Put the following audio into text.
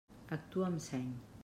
Actua amb seny.